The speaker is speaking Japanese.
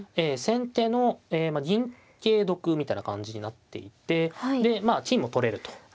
先手の銀桂得みたいな感じになっていてでまあ金も取れると。